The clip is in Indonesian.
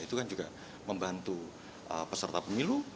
itu kan juga membantu peserta pemilu